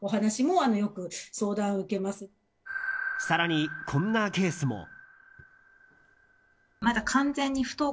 更に、こんなケースも。